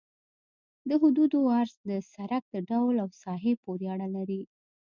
د حدودو عرض د سرک د ډول او ساحې پورې اړه لري